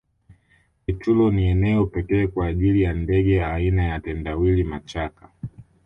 kitulo ni eneo pekee kwa ajili ya ndege aina ya tendawili machaka